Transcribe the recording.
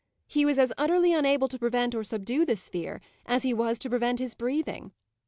He was as utterly unable to prevent or subdue this fear, as he was to prevent his breathing.